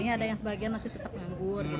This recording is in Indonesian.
ada yang sebagian masih tetap menganggur